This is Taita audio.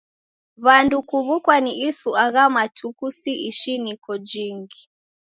W'andu kuw'ukwa ni isu agha matuku si ishiniko jinghi.